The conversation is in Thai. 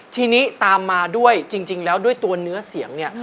ทีนี้ตามมาด้วยจริงแล้วด้วยตัวเนื้อเสียงเนี่ย